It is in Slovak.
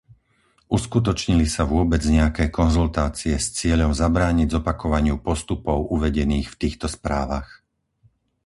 Uskutočnili sa vôbec nejaké konzultácie s cieľom zabrániť zopakovaniu postupov uvedených v týchto správach?